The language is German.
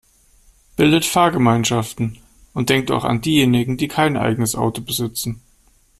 Bildet Fahrgemeinschaften und denkt auch an diejenigen, die kein eigenes Auto besitzen.